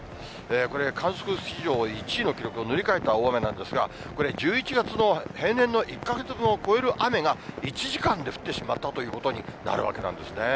これ、観測史上１位の記録を塗り替えた大雨なんですが、これ、１１月の平年の１か月分を超える雨が、１時間で降ってしまったということになるわけなんですね。